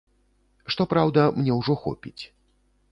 Што праўда, мне ўжо хопіць.